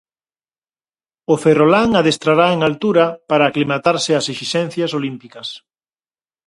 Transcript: O ferrolán adestrará en altura para aclimatarse ás esixencias olímpicas.